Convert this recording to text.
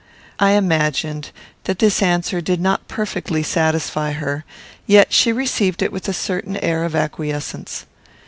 I imagined that this answer did not perfectly satisfy her; yet she received it with a certain air of acquiescence.